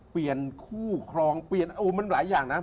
เปลี่ยนคู่ครองเปลี่ยนมันหลายอย่างนะ